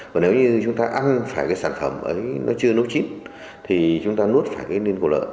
và nếu như chúng ta ăn phải cái sản phẩm ấy nó chưa nấu chín thì chúng ta nuốt phải cái nền của lợn